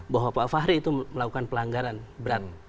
bahwa pak fahri itu melakukan pelanggaran berat